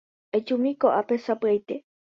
Ejumi ko'ápe sapy'aite.